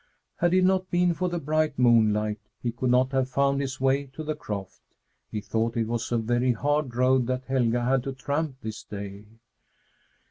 Had it not been for the bright moonlight, he could not have found his way to the croft. He thought it was a very hard road that Helga had to tramp this day.